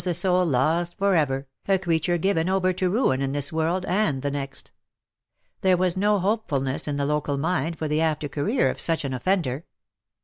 a soul lost for ever, a creature given over to ruin in this world and the next. There was no hopefulness in the local mind for the after career of such an offender.